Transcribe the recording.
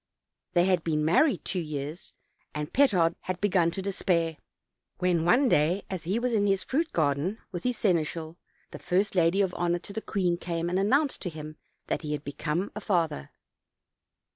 They had been married two years, and Petard had begun to despair, when one day as lie was in his fruit 46 OLD, OLD FAT&J TALES. garden with his seneschal, the first lady of honor to the queen came and announced to him that he had become a father.